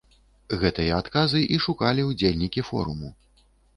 Гэтыя адказы і шукалі ўдзельнікі форуму.